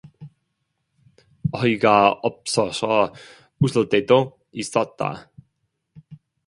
어이가 없어서 웃을 때도 있었다.